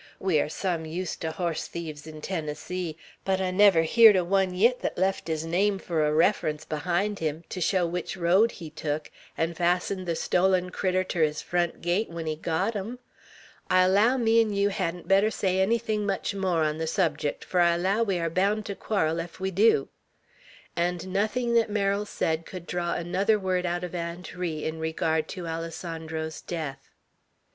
We air sum used ter hoss thieves in Tennessee; but I never heered o' one yit thet left his name fur a refference berhind him, ter show which road he tuk, 'n' fastened ther stolen critter ter his front gate when he got hum! I allow me 'n' yeow hedn't better say anythin' much more on ther subjeck, fur I allow we air bound to querril ef we dew;" and nothing that Merrill said could draw another word out of Aunt Ri in regard to Alessandro's death.